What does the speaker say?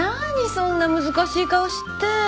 そんな難しい顔して。